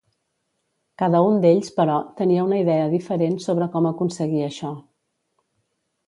Cada un d'ells, però, tenia una idea diferent sobre com aconseguir això.